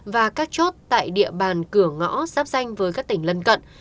và các chốt tại địa bàn cửa ngõ sắp danh với các tỉnh lân cận